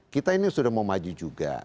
kita ini sudah mau maju juga